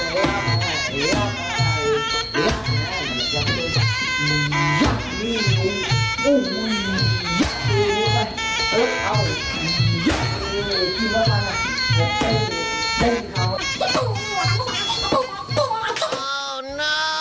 ตายปุ๊กแสวด้วย